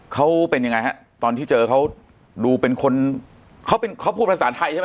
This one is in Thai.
เขาเป็นยังไงฮะตอนที่เจอเขาดูเป็นคนเขาเป็นเขาพูดภาษาไทยใช่ไหม